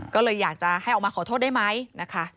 ก็เลยอยากจะให้ออกมาขอโทษได้ไหมนะคะ